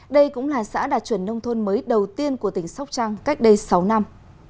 đây cũng là xã đạt chuẩn nông thôn mới đầu tiên của tỉnh sóc trăng cách đây sáu năm